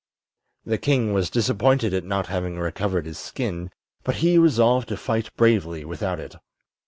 The king was disappointed at not having recovered his skin, but he resolved to fight bravely without it.